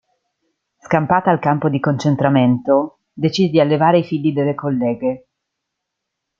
Scampata al campo di concentramento, decide di allevare i figli delle colleghe.